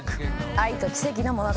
愛と奇跡の物語です。